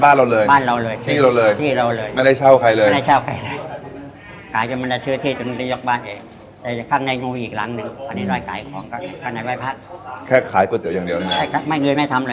ไม่เงยไม่ทำเลยทำก๋วยเตี๋ยวอย่างเดียว